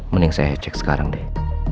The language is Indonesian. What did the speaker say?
mending saya cek sekarang deh